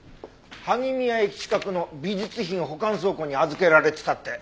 萩宮駅近くの美術品保管倉庫に預けられてたって。